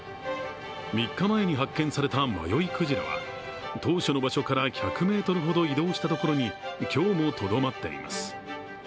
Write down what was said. ３日前に発見された迷いクジラは当初の場所から１００ｍほど移動したところに今日もとどまっています。